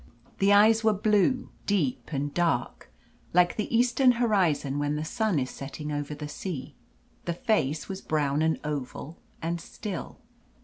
The eyes were blue, deep, and dark like the eastern horizon when the sun is setting over the sea. The face was brown, and oval, and still.